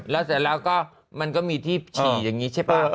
แล้วเสร็จแล้วก็มันก็มีที่ฉี่อย่างนี้ใช่ป่ะ